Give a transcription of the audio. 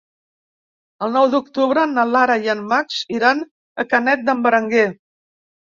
El nou d'octubre na Lara i en Max iran a Canet d'en Berenguer.